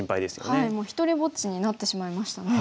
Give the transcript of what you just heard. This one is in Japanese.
もう独りぼっちになってしまいましたね。